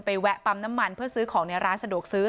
แวะปั๊มน้ำมันเพื่อซื้อของในร้านสะดวกซื้อ